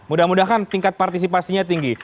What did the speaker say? mudah mudahan tingkat partisipasinya tinggi